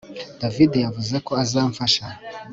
davide yavuze ko azamfasha